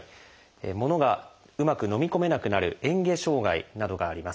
物がうまくのみ込めなくなる「嚥下障害」などがあります。